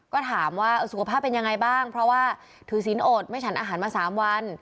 ก็ถามว่าสุขภาพเป็นยังไงบ้างเพราะว่าถือศีลอดไม่ฉันอาหารมา๓วัน